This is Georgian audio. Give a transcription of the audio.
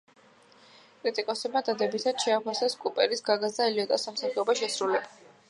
კრიტიკოსებმა დადებითად შეაფასეს კუპერის, გაგას და ელიოტის სამსახიობო შესრულება.